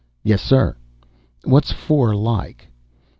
"Yes, sir." "What's IV like?"